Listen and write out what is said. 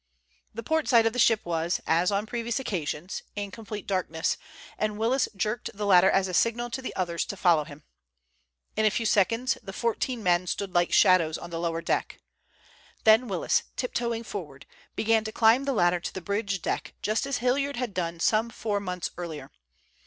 The port side of the ship was, as on previous occasions, in complete darkness, and Willis jerked the ladder as a signal to the others to follow him. In a few seconds the fourteen men stood like shadows on the lower deck. Then Willis, tiptoeing forward, began to climb the ladder to the bridge deck, just as Hilliard had done some four months earlier.